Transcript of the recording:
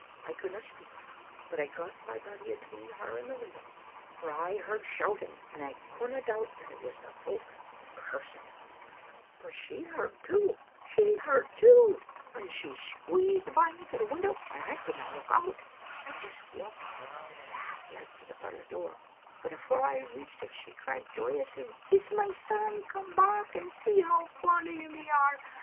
I couldna speak, but I got my body atween her and the window, for I heard shout ing, and I couldna doubt that it was the folk cursing him. " But she heard too, she heard too, and she squeezed Digitized by VjOOQ IC m Vb€ Xfttle Afntotcr. by me to the window. I oouldna look out; I just walked saf t like to the parlor door, but afore I reached it she cried joyously— ''*It's my son come back, and see how fond o' him they are